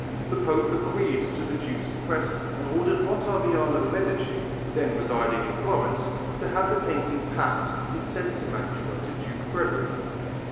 The Pope agreed to the Duke's request and ordered Ottaviano Medici, then residing in Florence, to have the painting packed and sent to Mantua to Duke Frederick.